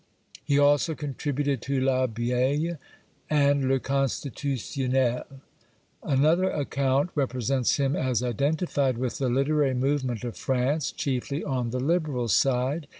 He also contributed to LAbeille and Le Constitutminel} Another account repre sents him as identified with the Hterary movement of France, chiefly on the Liberal side.